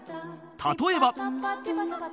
例えば